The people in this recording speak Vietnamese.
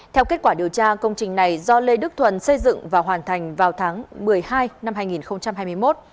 theo kết quả điều tra công trình này do lê đức thuần xây dựng và hoàn thành vào tháng một mươi hai năm hai nghìn hai mươi một